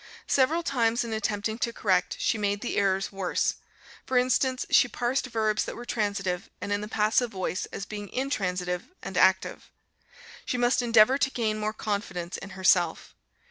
Several times, in attempting to correct, she made the errors worse; for instance she parsed verbs that were transitive and in the passive voice as being intransitive and active. She must endeavor to gain more confidence in herself.